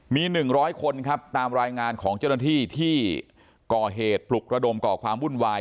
มี๑๐๐คนครับตามรายงานของเจ้าหน้าที่ที่ก่อเหตุปลุกระดมก่อความวุ่นวาย